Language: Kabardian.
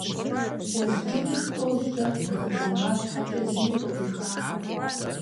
Уэзджынэр тӀэу-щэ дгъэдзыргъа щхьэкӀэ зыми къыӀуихакъым.